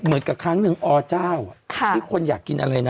เหมือนกับครั้งหนึ่งอเจ้าที่คนอยากกินอะไรนะ